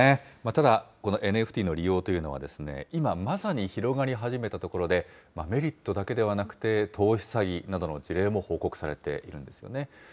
ただ、ＮＦＴの利用というのは、今、まさに広がり始めたところで、メリットだけではなくて、投資詐欺などの事例も報告されているんですよね。